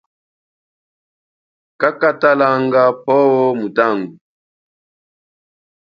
Kakatalanga phowo mutangu.